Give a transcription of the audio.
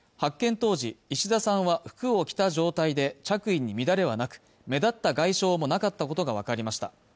当時石田さんは服を着た状態で着衣に乱れはなく目立った外傷もなかったことが分かりました